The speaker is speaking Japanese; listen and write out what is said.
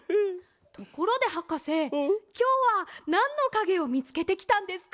ところではかせきょうはなんのかげをみつけてきたんですか？